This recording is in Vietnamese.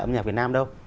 âm nhạc việt nam đâu